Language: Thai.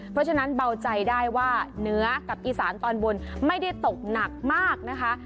เพราะฉะนั้นเบาใจได้ว่าเหนือกับอีสานตอนบนไม่ได้ตกหนักมากนะคะ